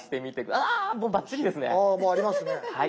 ああもうありますね。